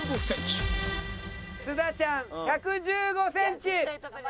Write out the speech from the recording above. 須田ちゃん１１５センチ。